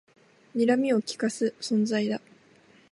にらみをきかす存在だ